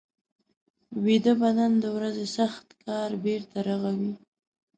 ویده بدن د ورځې سخت کار بېرته رغوي